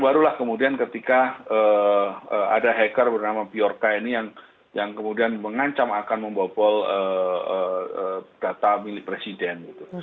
barulah kemudian ketika ada hacker bernama biorca ini yang kemudian mengancam akan membobol data milik presiden gitu